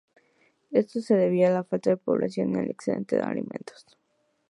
Esto se debía a la falta de población y al excedente de alimentos.